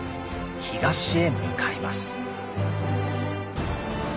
東へ向かいます。